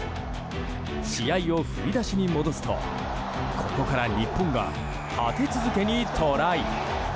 試合を振り出しに戻すとここから日本が立て続けにトライ。